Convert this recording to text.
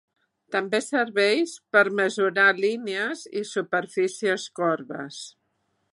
També serveix per mesurar línies i superfícies corbes.